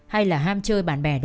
hay là ham chơi bạn bè đâu đó